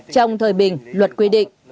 trong thời bình luật quy định